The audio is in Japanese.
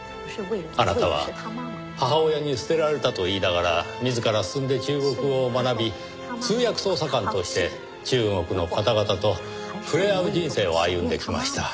あなたは母親に捨てられたと言いながら自ら進んで中国語を学び通訳捜査官として中国の方々と触れ合う人生を歩んできました。